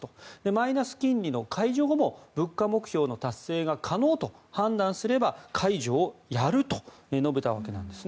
マイナス金利の解除後も物価目標の達成が可能と判断すれば解除をやると述べたわけなんです。